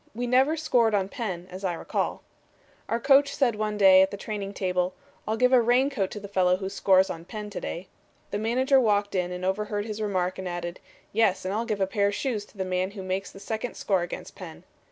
We never scored on Penn, as I recall. "Our coach said one day, at the training table, 'I'll give a raincoat to the fellow who scores on Penn to day.' The manager walked in and overheard his remark and added, 'Yes, and I'll give a pair of shoes to the man who makes the second score against Penn.'